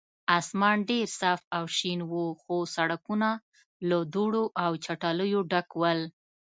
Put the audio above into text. اسمان ډېر صاف او شین و، خو سړکونه له دوړو او چټلیو ډک ول.